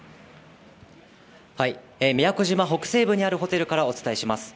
宮古島北西部にあるホテルからお伝えします。